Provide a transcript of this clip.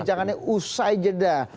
ucahannya usai jeda